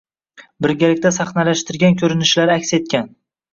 Birgalikda sahnalashtirgan ko‘rinishlari aks etgan